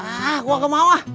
ah gue gak mau ah